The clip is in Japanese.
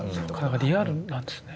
リアルなんですね。